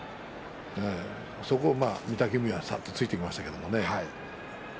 そこを御嶽海がさっと突いていきましたけどね。